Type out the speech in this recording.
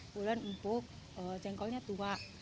pulen empuk jengkolnya tua